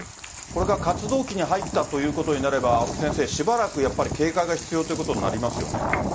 これから活動期に入ったということになればしばらく警戒が必要ということになりますよね。